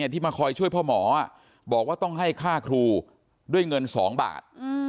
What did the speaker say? ที่มาคอยช่วยพ่อหมอบอกว่าต้องให้ค่าครูด้วยเงิน๒บาท